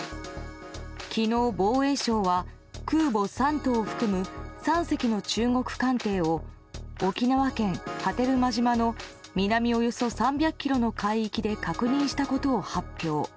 昨日、防衛省は空母「山東」を含む３隻の中国艦艇を沖縄県波照間島の南およそ３００ｋｍの海域で確認したことを発表。